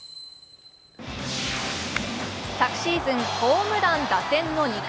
昨シーズン、ホームラン・打点の２冠。